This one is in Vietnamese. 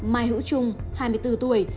mai hữu trung hai mươi bốn tuổi